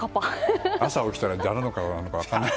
朝起きたら誰の顔なのか分からない。